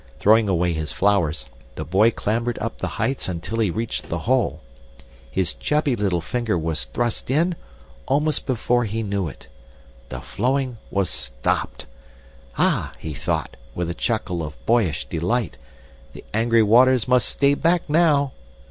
Throwing away his flowers, the boy clambered up the heights until he reached the hole. His chubby little finger was thrust in, almost before he knew it. The flowing was stopped! Ah! he thought, with a chuckle of boyish delight, the angry waters must stay back now!